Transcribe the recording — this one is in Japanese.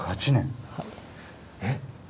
えっ！？